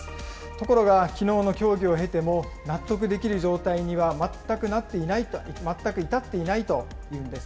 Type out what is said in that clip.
ところが、きのうの協議を経ても、納得できる状態には全く至っていないというんです。